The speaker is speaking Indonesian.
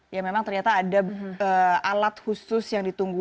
ya memang ternyata ada alat khusus yang ditunggu